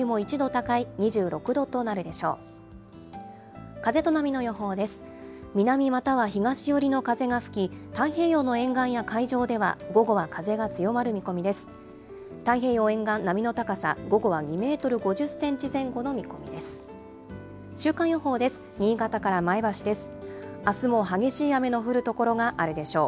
太平洋沿岸、波の高さ、午後は２メートル５０センチ前後の見込みです。